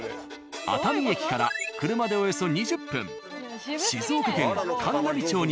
熱海駅から車でおよそ２０分。